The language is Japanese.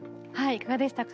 いかがでしたか？